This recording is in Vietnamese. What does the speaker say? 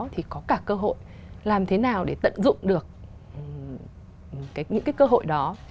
thì có cả cơ hội làm thế nào để tận dụng được những cái cơ hội đó